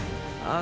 あ。